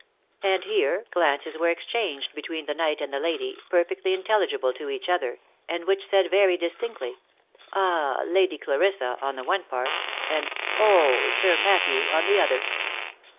And here glances were exchanged between the knight and the lady, perfectly intelligible to each other, and which said very dis tinctly, ," Ah ! Lady Clarissa 1" on the one part ; and, " Oh ! Sir Matthew ! on the other.